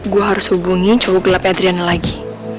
gue harus hubungi cowok gelapnya adriana lagi